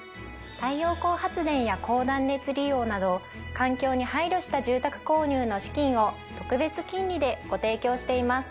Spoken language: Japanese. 太陽光発電や高断熱利用など環境に配慮した住宅購入の資金を特別金利でご提供しています。